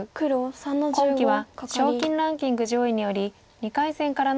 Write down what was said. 今期は賞金ランキング上位により２回戦からの出場です。